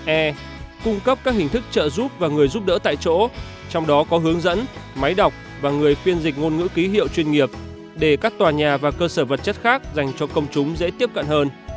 e cung cấp các hình thức trợ giúp và người giúp đỡ tại chỗ trong đó có hướng dẫn máy đọc và người phiên dịch ngôn ngữ ký hiệu chuyên nghiệp để các tòa nhà và cơ sở vật chất khác dành cho công chúng dễ tiếp cận hơn